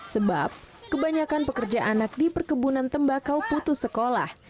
sebab kebanyakan pekerja anak di perkebunan tembakau putus sekolah